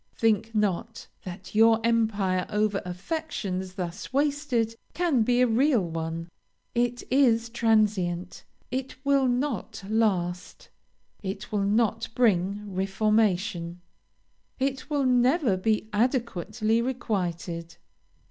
Think not that your empire over affections thus wasted can be a real one. It is transient, it will not last it will not bring reformation it will never be adequately requited.